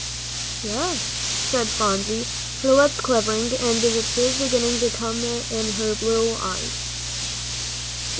"Yes," said Phronsie, her lips quivering, and the tears beginning to come in her blue eyes.